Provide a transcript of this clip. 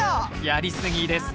やりすぎです！